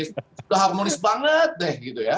sudah harmonis banget deh